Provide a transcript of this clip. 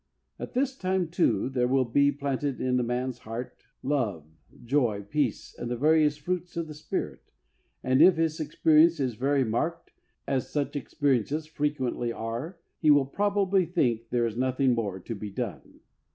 At this time, too, there will be planted in the man's heart love, joy, peace, and the various fruits of the Spirit, and if his experience is very marked, as such experiences frequently are, he v/ill probably think there is nothing more to be done.